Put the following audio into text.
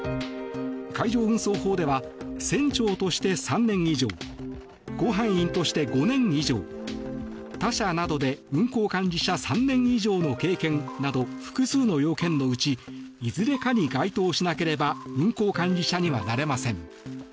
海上運送法では船長として３年以上甲板員として５年以上他社などで運航管理者３年以上の経験など複数の要件のうちいずれかに該当しなければ運航管理者にはなれません。